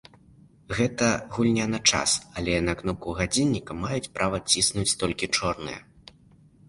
Гэта гульня на час, але на кнопку гадзінніка маюць права ціснуць толькі чорныя.